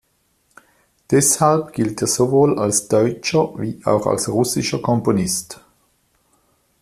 Deshalb gilt er sowohl als deutscher wie auch als russischer Komponist.